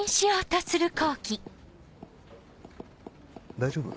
大丈夫？